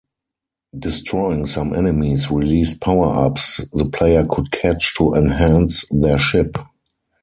Destroying some enemies released power-ups the player could catch to enhance their ship.